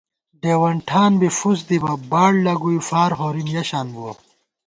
ڈېوَن ٹھان بی فُس دِبہ باڑ لَگُوئی فار ہورِم یَشان بُوَہ